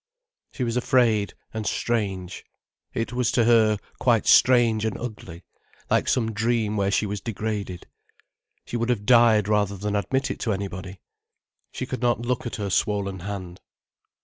She was afraid, and strange. It was to her quite strange and ugly, like some dream where she was degraded. She would have died rather than admit it to anybody. She could not look at her swollen hand.